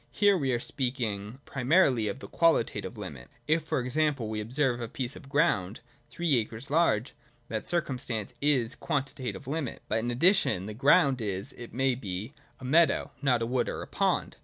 Here we are speaking primarily of the qualitative limit. If, for example, we observe a piece of ground, three acres large, that circumstance is its quantita tive limit. But, in addition, the ground is, it may be, a meadow, not a wood or a pond.